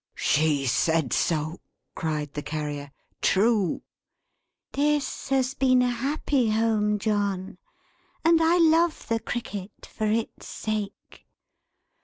'" "She said so!" cried the Carrier. "True!" "'This has been a happy Home, John; and I love the Cricket for its sake!'"